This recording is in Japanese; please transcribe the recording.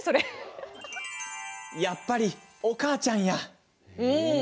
やっぱり、お母ちゃんや！